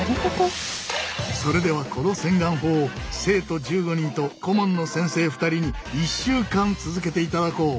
それではこの洗顔法を生徒１５人と顧問の先生２人に１週間続けていただこう！